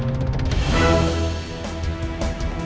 harus mamang sendiri yang cari